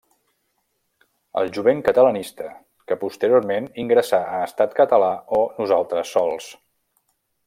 El jovent catalanista que posteriorment ingressà a Estat Català o Nosaltres Sols!